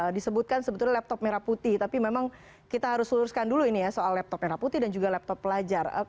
disebutkan sebetulnya laptop merah putih tapi memang kita harus luluskan dulu ini ya soal laptop merah putih dan juga laptop pelajar